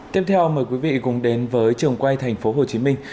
tiếp theo mời quý vị cùng đến với trường quay thành phố hồ chí minh